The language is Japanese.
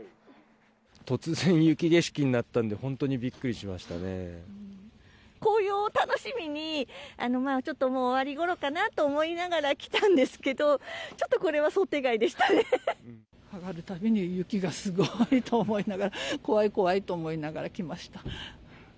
突然雪景色になったんで、紅葉を楽しみに、まあ、ちょっともう、終わり頃かなと思いながら来たんですけど、ちょっとこれは想定外上がるたびに、雪がすごいと思いながら、怖い、怖いと思いながら来ました。